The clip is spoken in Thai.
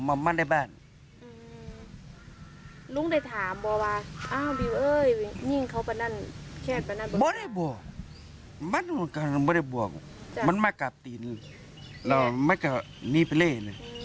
มาแล้วสร้างอยู่โรงแบบอาจมือน้วย